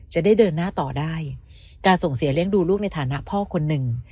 จะได้เดินหน้าต่อได้การส่งเสียเลี้ยงดูลูกในฐานะพ่อคนหนึ่ง